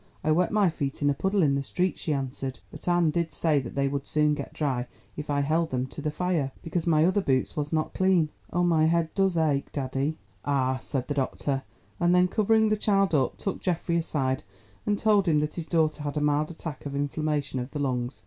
I wet my feet in a puddle in the street," she answered. "But Anne did say that they would soon get dry, if I held them to the fire, because my other boots was not clean. Oh, my head does ache, daddie." "Ah," said the doctor, and then covering the child up, took Geoffrey aside and told him that his daughter had a mild attack of inflammation of the lungs.